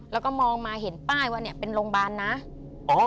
แล้วก็มองมาเห็นป้ายว่าเนี่ยเป็นโรงพยาบาลนะ